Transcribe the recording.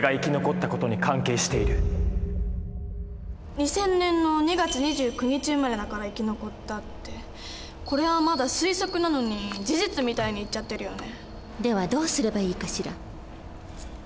２０００年の２月２９日生まれだから生き残ったってこれはまだ推測なのに事実みたいに言っちゃってるよね。